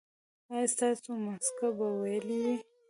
ایا ستاسو مسکه به ویلې وي؟